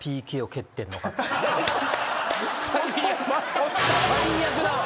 最悪だわ！